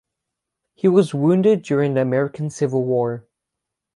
He was wounded during the American Civil War.